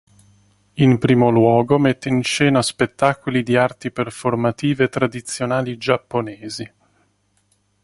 In primo luogo mette in scena spettacoli di arti performative tradizionali giapponesi.